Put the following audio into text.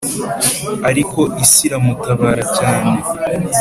Ariko isi iramutabara cyane